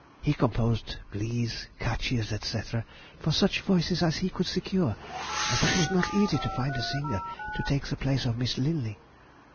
He composed glees, catches, &c., for such voices as he could secure, as it was not easy to find a singer to take the place of Miss Linley....